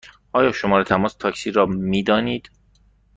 آیا شماره تماس تاکسی را می دانید؟